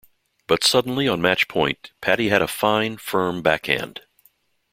But suddenly on match point, Patty had a fine, firm backhand.